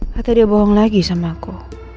kata dia bohong lagi sama aku